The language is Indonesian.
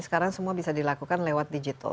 sekarang semua bisa dilakukan lewat digital